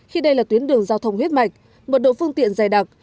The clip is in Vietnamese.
khi đây là tuyến đường giao thông huyết mạch mật độ phương tiện dày đặc